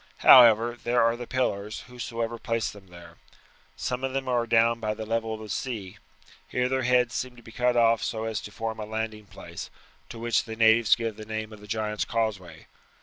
However, there are the pillars, whosoever placed them there. Some of them are down by the level of the sea. Here their heads seem to be cut off so as to form a landing place, to which the natives give the name of the Giant's Causeway.